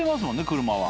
車は。